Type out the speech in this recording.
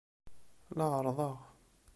La ɛerrḍeɣ.